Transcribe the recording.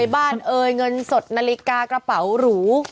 บ้านเอ่ยเงินสดนาฬิกากระเป๋าหรู